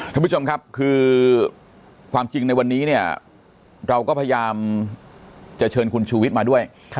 ท่านผู้ชมครับคือความจริงในวันนี้เนี่ยเราก็พยายามจะเชิญคุณชูวิทย์มาด้วย